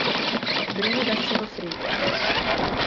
Breno da Silva Freitas